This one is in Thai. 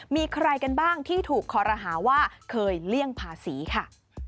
มีใครกันบ้างที่ถูกคอรหาว่าเคยเลี่ยงภาษีค่ะ